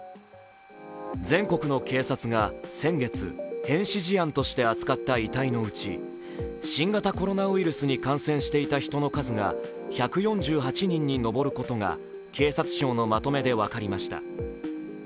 全国の警察が先月、変死事案として扱った遺体のうち新型コロナウイルスに感染していた人の数が１４８人に上ることが警察庁のまとめで分かりました。